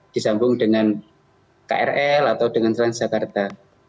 disambung dengan krl atau dengan transjakarta